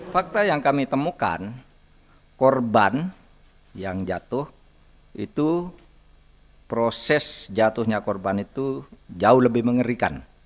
fakta yang kami temukan korban yang jatuh itu proses jatuhnya korban itu jauh lebih mengerikan